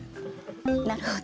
なるほど。